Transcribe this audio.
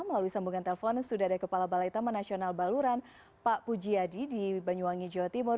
melalui sambungan telpon sudah ada kepala balai taman nasional baluran pak pujiadi di banyuwangi jawa timur